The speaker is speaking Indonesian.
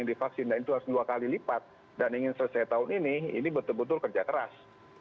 divaksin dan itu harus dua kali lipat dan ingin selesai tahun ini ini betul betul kerja keras